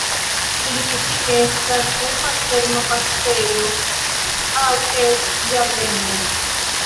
Ili kutime estas en malferma paŝtejo aŭ eĉ ĝardenoj.